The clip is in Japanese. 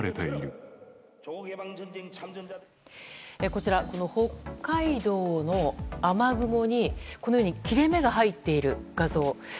こちら、北海道の雨雲にこのように切れ目が入っている画像。